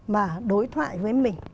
mà đối thoại với mình